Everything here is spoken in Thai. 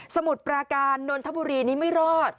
มุดปราการนนทบุรีนี้ไม่รอด